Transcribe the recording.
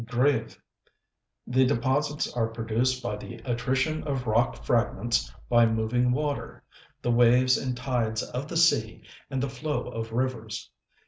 gr├©ve. The deposits are produced by the attrition of rock fragments by moving water, the waves and tides of the sea and the flow of rivers.